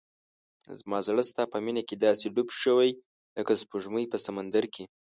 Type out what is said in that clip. زما زړه ستا په مینه کې داسې ډوب شوی لکه سپوږمۍ په سمندر کې.